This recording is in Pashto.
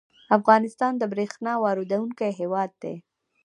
افغانستان د بریښنا واردونکی هیواد دی